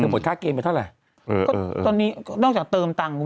ถึงผลชาติเกมไปเท่าไรเออเออเออตอนนี้ก็นอกจากเติมตังค์ไม่